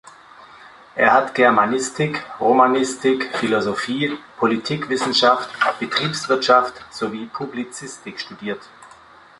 Er hat Germanistik, Romanistik, Philosophie, Politikwissenschaft, Betriebswirtschaft sowie Publizistik studiert.